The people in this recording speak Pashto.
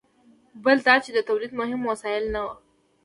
بل دا چې د تولید مهم وسایل نه وو.